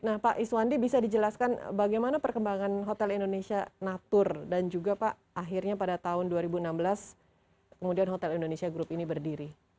nah pak iswandi bisa dijelaskan bagaimana perkembangan hotel indonesia natur dan juga pak akhirnya pada tahun dua ribu enam belas kemudian hotel indonesia group ini berdiri